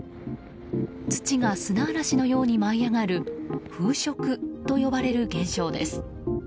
土が砂嵐のように舞い上がる風食と呼ばれる現象です。